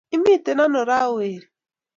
Imiten ano raa ooh weri